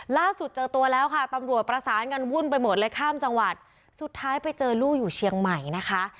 ล่าสุดเจอตัวแล้วค่ะตำรวจประสานกันวุ่นไปหมดเลยข้ามจังหวัดสุดท้ายไปเจอลูกอยู่เชียงใหม่นะคะ